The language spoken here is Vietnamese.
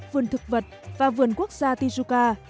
vườn thực vật và vườn quốc gia tijuca